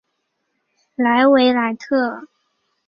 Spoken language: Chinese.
莱维莱特。